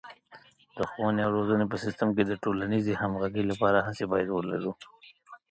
د ښوونې او روزنې په سیستم کې د ټولنیزې همغږۍ لپاره هڅې باید ولرو.